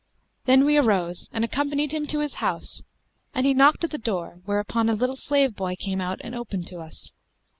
Then we arose and accompanied him to his house and he knocked at the door, whereupon a little slave boy came out and opened to us.